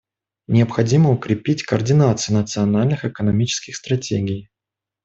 Необходимо укрепить координацию национальных экономических стратегий.